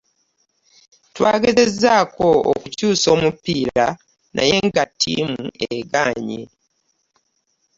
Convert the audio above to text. Twagezezaako okukyusa omupiira naye nga ttimu egaanye.